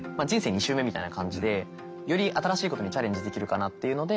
２周目みたいな感じでより新しいことにチャレンジできるかなっていうので。